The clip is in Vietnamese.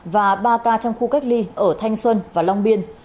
và ba ca trong khu cách ly ở thanh xuân và long biên